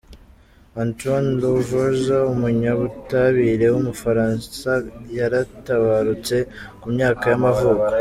Antoine Lavoisier, umunyabutabire w’umufaransayaratabarutse, ku myaka y’amavuko.